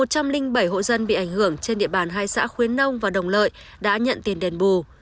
trong năm hai nghìn hai mươi hai một trăm linh bảy hộ dân bị ảnh hưởng trên địa bàn hai xã khuyến nông và đồng lợi đã nhận tiền đền bù